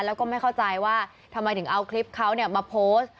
แล้วก็ไม่เข้าใจว่าทำไมถึงเอาคลิปเขามาโพสต์